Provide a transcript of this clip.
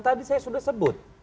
tadi saya sudah sebut